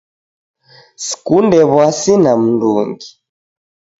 Sikunde wuasi na mndungi